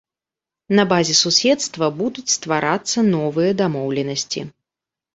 На базе суседства будуць стварацца новыя дамоўленасці.